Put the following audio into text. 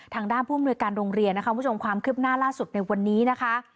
ทางด้านผู้มนวยการโรงเรียนความคืบหน้าล่าสุดในวันนี้นะคะ